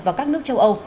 và các nước châu âu